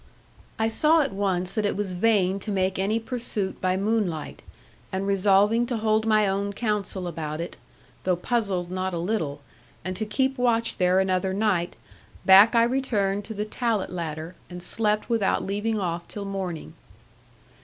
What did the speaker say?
I saw at once that it was vain to make any pursuit by moonlight; and resolving to hold my own counsel about it (though puzzled not a little) and to keep watch there another night, back I returned to the tallatt ladder, and slept without leaving off till morning.